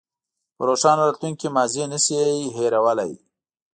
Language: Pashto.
په روښانه راتلونکي کې ماضي نه شئ هېرولی.